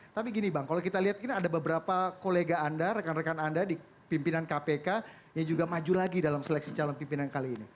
tapi gini bang kalau kita lihat ini ada beberapa kolega anda rekan rekan anda di pimpinan kpk yang juga maju lagi dalam seleksi calon pimpinan kali ini